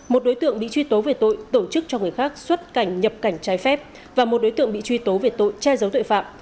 một đối tượng bị truy tố về tội tổ chức cho người khác xuất cảnh nhập cảnh trái phép và một đối tượng bị truy tố về tội che giấu tội phạm